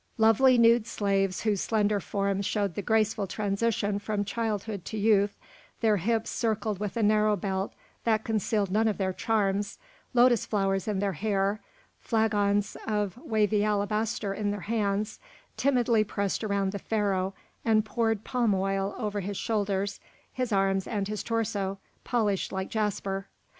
Lovely nude slaves, whose slender forms showed the graceful transition from childhood to youth, their hips circled with a narrow belt that concealed none of their charms, lotus flowers in their hair, flagons of wavy alabaster in their hands, timidly pressed around the Pharaoh and poured palm oil over his shoulders, his arms, and his torso, polished like jasper.